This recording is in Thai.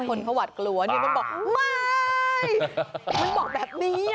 คนขวัดกลัวเดี๋ยวมันบอกไม่มันบอกแบบนี้อ่ะ